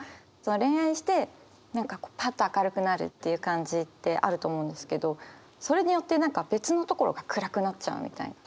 恋愛してパッと明るくなるっていう感じってあると思うんですけどそれによって別のところが暗くなっちゃうみたいな。